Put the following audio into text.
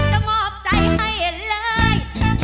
ก็มอบใจให้เห็นเลย